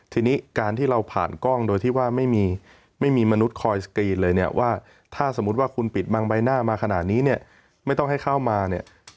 ทีนี้การที่เราผ่านกล้องโดยที่ว่าไม่มีไม่มีมนุษย์คอยสกรีนเลยเนี่ยว่าถ้าสมมุติว่าคุณปิดบังใบหน้ามาขนาดนี้เนี่ยไม่ต้องให้เข้ามาเนี่ย